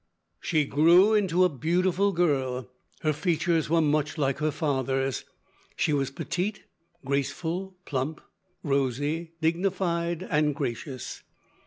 She grew into a beautiful girl. Her features were much like her father's. She was petite, graceful, plump, rosy, dignified, and gracious.